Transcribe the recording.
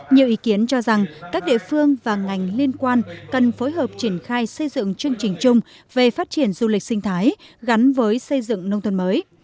nhiều ý kiến cho rằng các địa phương và ngành liên quan cần phối hợp triển khai xây dựng chương trình chung về phát triển du lịch sinh thái gắn với xây dựng nông thôn mới